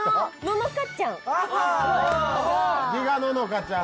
ギガののかちゃん。